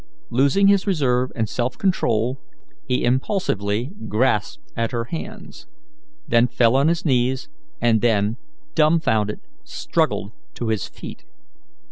Losing his reserve and self control, he impulsively grasped at her hands, then fell on his knees, and then, dumfounded, struggled to his feet.